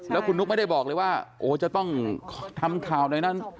แล้วคุณนุ๊กไม่ได้บอกเลยว่าโอ้จะต้องทำข่าวในนั้น